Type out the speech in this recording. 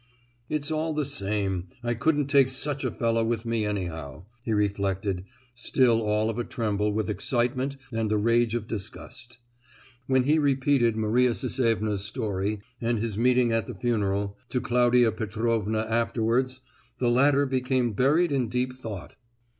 "It's all the same. I couldn't take such a fellow with me, anyhow," he reflected, still all of a tremble with excitement and the rage of disgust. When he repeated Maria Sisevna's story, and his meeting at the funeral, to Claudia Petrovna afterwards, the latter became buried in deep thought.